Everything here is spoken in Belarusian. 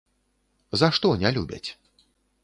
За што не любяць?